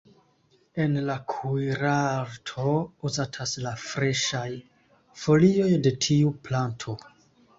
En la kuirarto uzatas la freŝaj folioj de tiu planto.